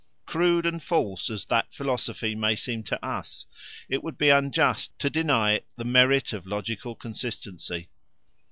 Crude and false as that philosophy may seem to us, it would be unjust to deny it the merit of logical consistency.